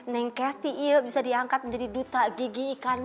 neng keti iya bisa diangkat menjadi duta gigi ikan